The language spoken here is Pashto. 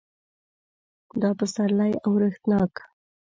دا پسرلی اورښتناک